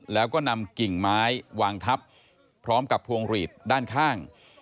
แล้วก็นำกิ่งไม้วางทับพร้อมกับพวงหลีดด้านข้าง